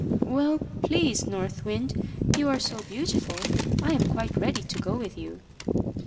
"Well, please, North Wind, you are so beautiful, I am quite ready to go with you."